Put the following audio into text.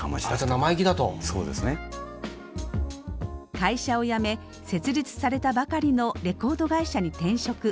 会社を辞め設立されたばかりのレコード会社に転職。